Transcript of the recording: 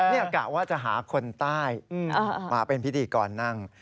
นี่กะว่าจะหาคนใต้มาเป็นพิธีกรนั่ง